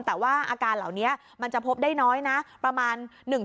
แต่ว่าอาการเหล่านี้มันจะพบได้น้อยนะประมาณ